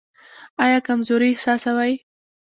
ایا کمزوري احساسوئ؟